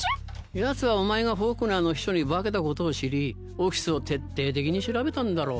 ヤツはお前がフォークナーの秘書に化けたことを知りオフィスを徹底的に調べたんだろう。